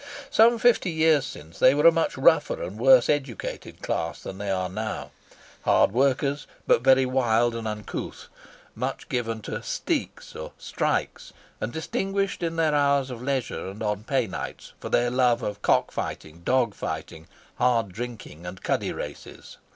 Some fifty years since they were a much rougher and worse educated class than they are now; hard workers, but very wild and uncouth; much given to "steeks," or strikes; and distinguished, in their hours of leisure and on pay nights, for their love of cock fighting, dog fighting, hard drinking, and cuddy races.